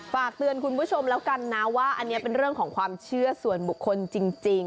ฝากเตือนคุณผู้ชมแล้วกันนะว่าอันนี้เป็นเรื่องของความเชื่อส่วนบุคคลจริง